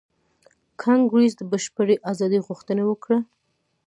کانګریس د بشپړې ازادۍ غوښتنه وکړه.